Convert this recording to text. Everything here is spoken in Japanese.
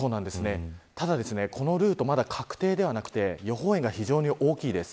ただ、このルートまだ確定ではなくて予報円が非常に大きいです。